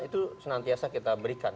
itu senantiasa kita berikan